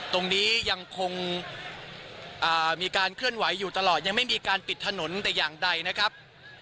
ยังคงมีการเคลื่อนไหวอยู่ตลอดยังไม่มีการปิดถนนแต่อย่างใดนะครับ